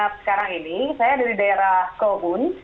nah sekarang ini saya dari daerah kowun